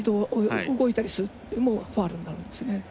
動いたりしてもファウルになるんですね。